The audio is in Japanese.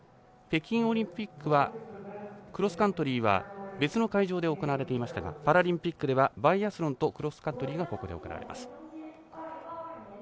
北京オリンピックはクロスカントリーは別の会場で行われていましたがパラリンピックではバイアスロンとクロスカントリーはここで行われます。